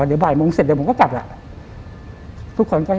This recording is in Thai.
เดี๋ยวบ่ายมงเสร็จเดี๋ยวผมก็กลับแหละ